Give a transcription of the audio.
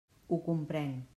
Ho comprenc.